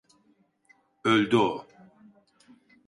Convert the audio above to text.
Öldü o.